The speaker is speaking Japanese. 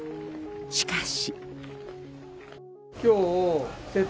しかし。